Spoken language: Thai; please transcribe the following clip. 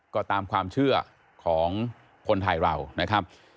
ก็ตามความเชื่อของคนไทยเรานะครับ